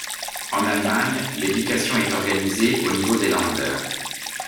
En Allemagne, l'éducation est organisée au niveau des Länder.